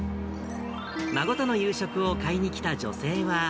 孫との夕食を買いに来た女性は。